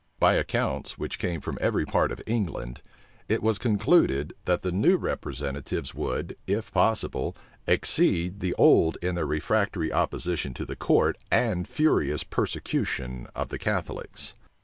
By accounts which came from every part of England, it was concluded, that the new representatives would, if possible, exceed the old in their refractory opposition to the court, and furious persecution of the Catholics.